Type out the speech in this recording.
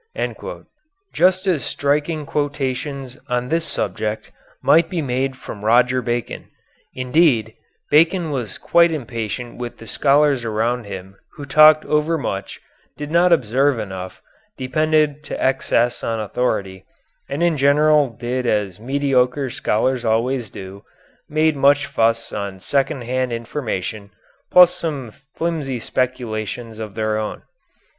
" Just as striking quotations on this subject might be made from Roger Bacon. Indeed, Bacon was quite impatient with the scholars around him who talked over much, did not observe enough, depended to excess on authority, and in general did as mediocre scholars always do, made much fuss on second hand information plus some filmy speculations of their own.